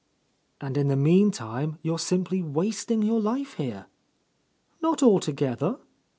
"And in the meantime, you are simply wasting your life here." "Not altogether.